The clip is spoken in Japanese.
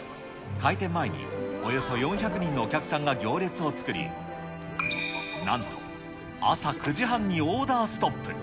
開店前におよそ４００人のお客さんが行列を作り、なんと朝９時半にオーダーストップ。